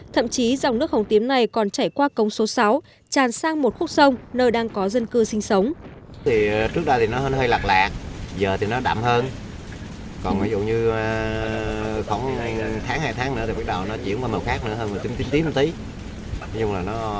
thậm chí dòng nước hồng tím này còn chảy qua cống số sáu tràn sang một khúc sông nơi đang có dân cư sinh sống